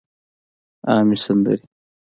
عامې سندرې